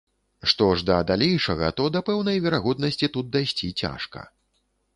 Што ж да далейшага, то да пэўнай верагоднасці тут дайсці цяжка.